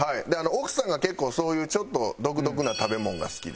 奥さんが結構そういうちょっと独特な食べ物が好きで。